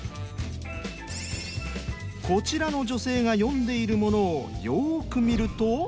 こちらの女性が読んでいるものをよく見ると。